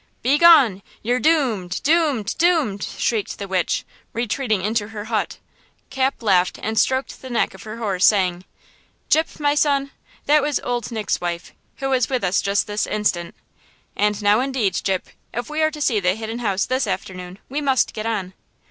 '" "Begone! You're doomed! doomed! doomed!" shrieked the witch, retreating into her hut. Cap laughed and stroked the neck of her horse, saying: "Gyp, my son, that was old Nick's wife, who was with us just this instant, and now, indeed, Gyp, if we are to see the Hidden House this afternoon, we must get on!"